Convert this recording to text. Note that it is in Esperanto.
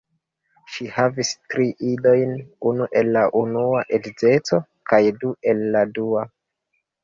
Ŝi havis tri idojn: unu el la unua edzeco kaj du el la dua.